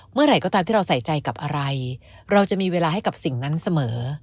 เมื่อไหร่ก็ตามที่เราใส่ใจกับอะไรเราจะมีเวลาให้กับสิ่งนั้นเสมอ